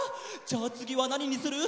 じゃあつぎはなににする？